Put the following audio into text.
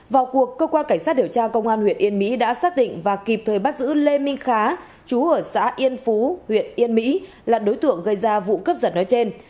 vào cuộc cơ quan cảnh sát điều tra công an huyện yên mỹ đã xác định và kịp thời bắt giữ lê minh khá chú ở xã yên phú huyện yên mỹ là đối tượng gây ra vụ cướp giật nói trên